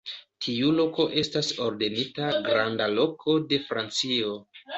Tiu loko estas ordenita Granda loko de Francio.